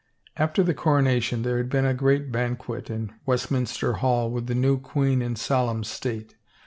After the coronation there had been a great banquet in Westminster Hall with the new queen in solemn state.